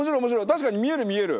確かに見える見える！